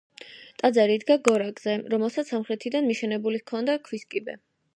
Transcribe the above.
ტაძარი იდგა გორაკზე, რომელსაც სამხრეთიდან მიშენებული ჰქონდა ქვის კიბე.